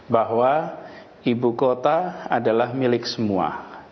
bahwa ibu kota adalah milik semua